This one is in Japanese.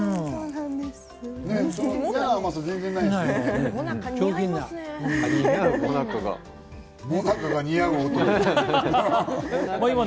嫌な甘さが全然ないですね。